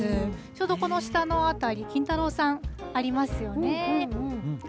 ちょうどこの下の辺り、金太郎さん、ありますよね。